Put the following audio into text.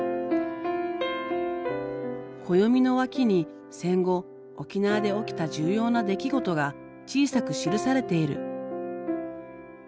暦の脇に戦後沖縄で起きた重要な出来事が小さく記されている。